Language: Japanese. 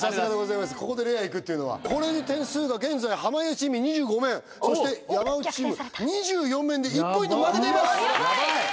さすがここでレアいくってのはこれに点数が現在濱家チームに２５面そして山内チーム２４面で逆転されたやっば１ポイント負けています